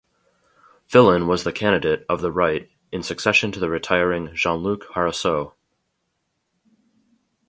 Fillon was the candidate of the right in succession to the retiring Jean-Luc Harousseau.